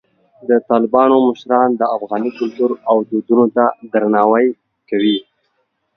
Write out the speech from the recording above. د طالبانو مشران د افغاني کلتور او دودونو ته درناوی کوي.